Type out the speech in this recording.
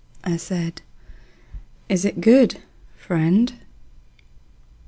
I said, "Is it good, friend?"